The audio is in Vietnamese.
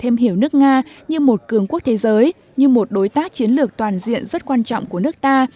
thêm hiểu nước nga như một cường quốc thế giới như một đối tác chiến lược toàn diện rất quan trọng của nước ta